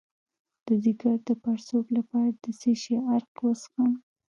د ځیګر د پړسوب لپاره د څه شي عرق وڅښم؟